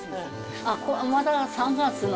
あっまだ３月の。